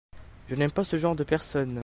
Je n'aime pas ce genre de personnes.